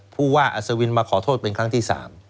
ผู้ว่าอัศวินมาขอโทษเป็นครั้งที่๓